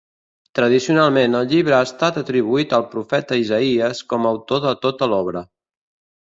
Tradicionalment el llibre ha estat atribuït al profeta Isaïes com a autor de tota l'obra.